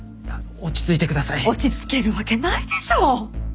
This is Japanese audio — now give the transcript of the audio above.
落ち着けるわけないでしょ！